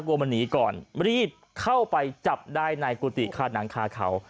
กลัวมันหนีก่อนรีบเข้าไปจับได้ในกุฏิคาหนังคาเขา